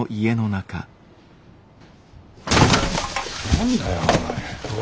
何だよおい